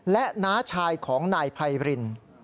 และน้าชายของนายไพริน